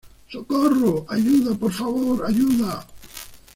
¡ socorro! ¡ ayuda, por favor, ayuda!